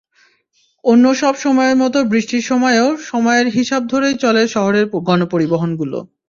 অন্যসব সময়ের মতো বৃষ্টির সময়েও সময়ের হিসাব ধরেই চলে শহরের গণপরিবহনগুলো।